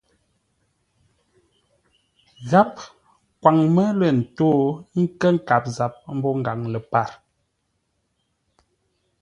Gháp kwaŋ mə́ lə̂ ntó ńkə́ nkâp zap mbô ngaŋ ləpar.